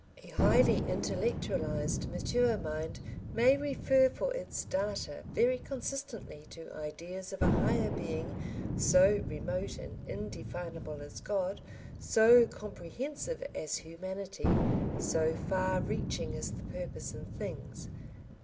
A highly intellectualised mature mind may refer for its data very consistently to ideas of a higher being so remote and indefinable as God, so comprehensive as humanity, so far reaching as the purpose in things.